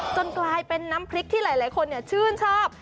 กลายเป็นน้ำพริกที่หลายคนชื่นชอบ